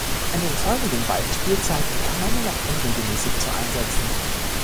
In den folgenden beiden Spielzeiten kam er nur noch unregelmäßig zu Einsätzen.